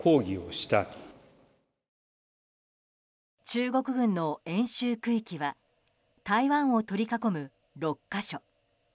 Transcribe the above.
中国軍の演習区域は台湾を取り囲む６か所。